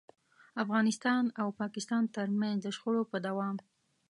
افغانستان او پاکستان ترمنځ د شخړو په دوام.